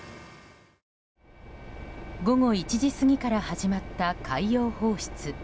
午後１時過ぎから始まった海洋放出。